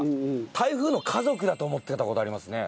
「台風の家族」だと思ってた事ありますね。